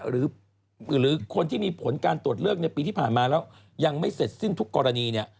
หรือคนที่มีผลการตรวจเลือกในปีที่ผ่านมาแล้วยังไม่เสร็จสิ้นทุกกรณีเนี่ย